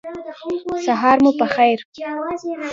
سهار مو پخیر